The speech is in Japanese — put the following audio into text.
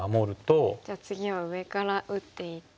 じゃあ次は上から打っていって。